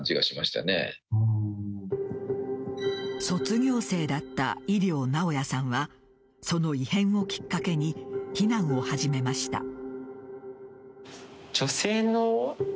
卒業生だった井料直也さんはその異変をきっかけに避難を始めました。